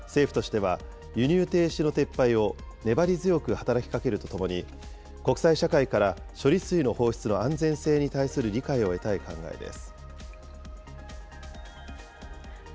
中国が討議に応じるかどうかは不透明ですが、政府としては輸入停止の撤廃を粘り強く働きかけるとともに、国際社会から処理水の放出の安全性に対する理解を得たい考えです。